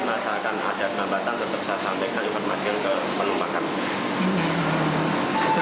masa akan ada kelambatan tetap saya sampaikan informasi ke penumpang kami